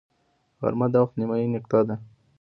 غرمه د وخت نیمايي نقطه ده